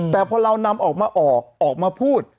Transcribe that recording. แต่พอเรานำออกมาออกมาพูด